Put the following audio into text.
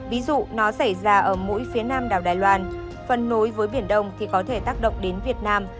ví dụ nó xảy ra ở mỗi phía nam đảo đài loan phần nối với biển đông thì có thể tác động đến việt nam